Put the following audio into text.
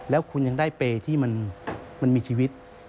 แล้วคุณยังได้เปรย์ที่มันมีชีวิต